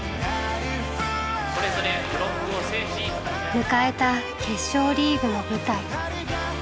迎えた決勝リーグの舞台。